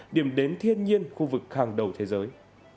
điểm đến thiên nhiên khu vực hàng đầu thế giới